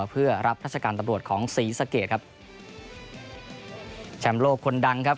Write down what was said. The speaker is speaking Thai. เพื่อรับราชการตำรวจของศรีสะเกดครับแชมป์โลกคนดังครับ